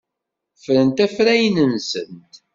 Ffrent afrayen-nsent.